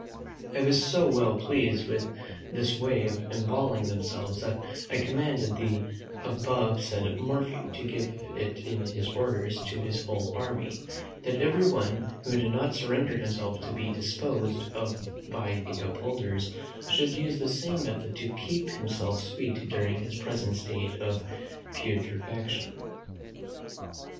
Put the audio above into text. I was so well pleased with this way of embalming themselves that I commanded the above said Morphew to give it in his orders to his whole army, that every one, who did not surrender himself to be disposed of by the upholders, should use the same method to keep himself sweet during his present state of putrefaction.